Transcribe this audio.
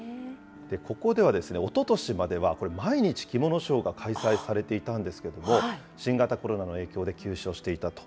ここではおととしまでは、毎日着物ショーが開催されていたんですけれども、新型コロナの影響で休止をしていたと。